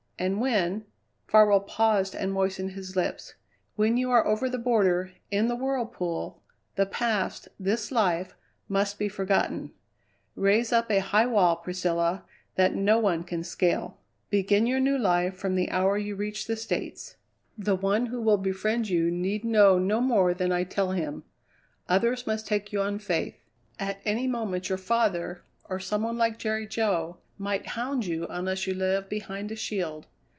And when" Farwell paused and moistened his lips "when you are over the border, in the whirlpool, the past, this life, must be forgotten. Raise up a high wall, Priscilla, that no one can scale. Begin your new life from the hour you reach the States. The one who will befriend you need know no more than I tell him; others must take you on faith. At any moment your father, or some one like Jerry Jo, might hound you unless you live behind a shield.